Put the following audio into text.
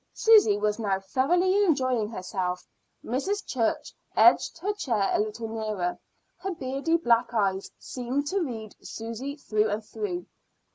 Susy was now thoroughly enjoying herself. Mrs. Church edged her chair a little nearer; her beady black eyes seemed to read Susy through and through.